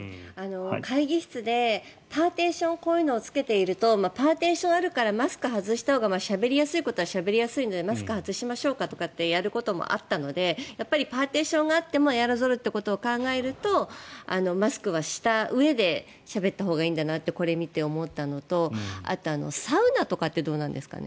会議室で、こういうパーティションをつけているとパーティションがあるからマスクを外したほうがしゃべりやすいことはしゃべりやすいのでマスクを外そうかということもあったのでパーティションがあってもエアロゾルということを考えるとマスクはしたうえでしゃべったほうがいいんだなってこれを見て思ったのとあとはサウナとかってどうなんですかね？